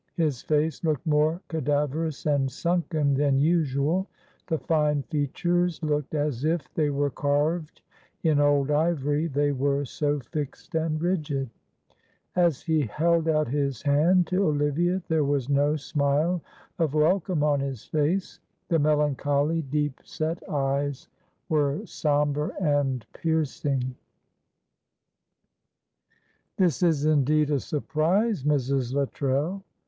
His face looked more cadaverous and sunken than usual; the fine features looked as if they were carved in old ivory, they were so fixed and rigid; as he held out his hand to Olivia there was no smile of welcome on his face the melancholy deep set eyes were sombre and piercing. [Illustration: Mr. Gaythorne sat in his great ebony chair.] "This is indeed a surprise, Mrs. Luttrell."